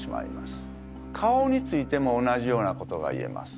顔についても同じようなことが言えます。